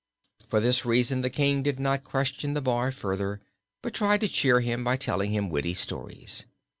For this reason the King did not question the boy further but tried to cheer him by telling him witty stories.